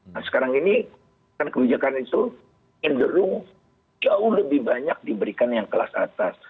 nah sekarang ini kan kebijakan itu cenderung jauh lebih banyak diberikan yang kelas atas